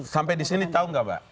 sampai di sini tahu nggak pak